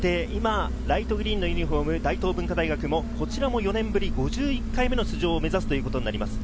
今、ライトグリーンのユニホームの大東文化大学、こちらも４年ぶり５１回目の出場を目指すということになります。